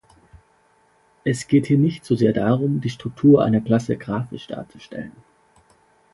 Es geht hier nicht so sehr darum, die Struktur einer Klasse grafisch darzustellen.